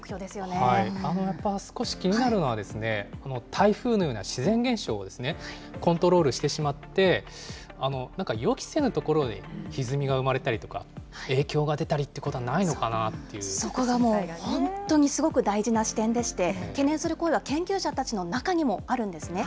少し気になるのは、台風のような自然現象をコントロールしてしまって、予期せぬところでひずみが生まれたりとか、影響が出たりってことそこがもう本当にすごく大事な視点でして、懸念する声は研究者たちの中にもあるんですね。